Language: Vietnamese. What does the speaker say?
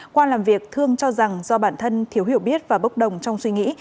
qua làm việc thương cho rằng do bản thân thiếu hiểu biết và bốc đồng trong suy nghĩ